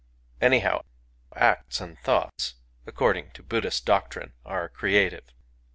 ..• Anyhow, acts and thoughts, according to Buddh ist doctrine, are creative.